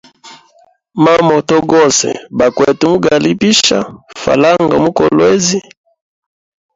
Ma moto gose bakwete mugalipisha falanga mu kolwezi.